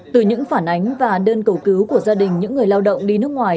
từ những phản ánh và đơn cầu cứu của gia đình những người lao động đi nước ngoài